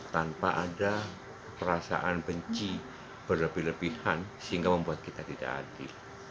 tanpa ada perasaan benci berlebihan sehingga membuat kita tidak adil